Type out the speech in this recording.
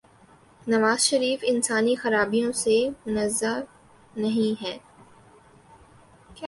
نوازشریف انسانی خرابیوں سے منزہ نہیں ہیں۔